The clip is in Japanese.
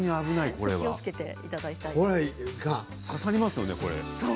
これは刺さりますよね。